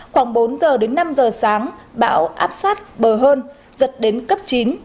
khoảng bốn giờ đến năm giờ sáng bão áp sát bờ hơn giật đến cấp chín